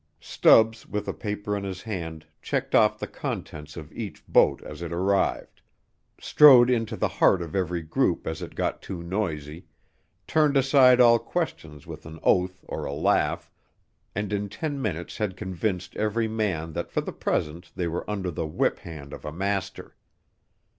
Stubbs with a paper in his hand checked off the contents of each boat as it arrived, strode into the heart of every group as it got too noisy, turned aside all questions with an oath or a laugh, and in ten minutes had convinced every man that for the present they were under the whip hand of a master.